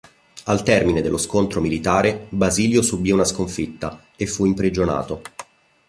Al termine dello scontro militare, Basilio subì una sconfitta e fu imprigionato.